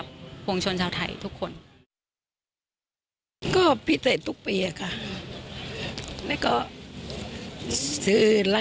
ดีใจค่ะ